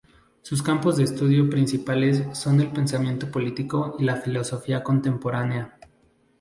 Sus campos de estudio principales son el pensamiento político y la filosofía contemporánea.